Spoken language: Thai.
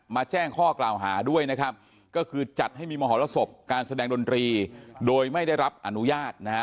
แจ้งข้อกล่าวหาด้วยนะครับก็คือจัดให้มีมหรสบการแสดงดนตรีโดยไม่ได้รับอนุญาตนะฮะ